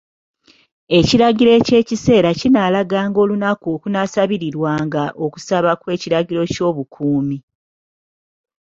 Ekiragiro eky'ekiseera kinaalaganga olunaku okunaawulirirwanga okusaba kw'ekiragiro ky'obukuumi.